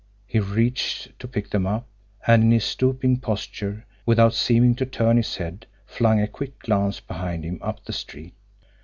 He reached to pick them up, and in his stooping posture, without seeming to turn his head, flung a quick glance behind him up the street.